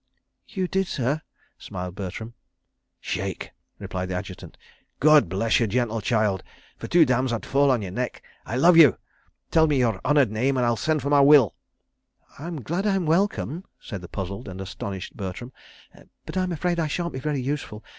"You did, sir," smiled Bertram. "Shake," replied the Adjutant. "God bless you, gentle child. For two damns, I'd fall on your neck. I love you. Tell me your honoured name and I'll send for my will. ..." "I'm glad I'm welcome," said the puzzled and astonished Bertram; "but I'm afraid I shan't be very useful.